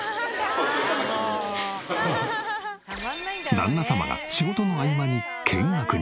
旦那様が仕事の合間に見学に。